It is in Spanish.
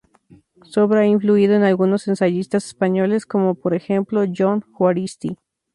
Su obra ha influido en algunos ensayistas españoles, como por ejemplo Jon Juaristi.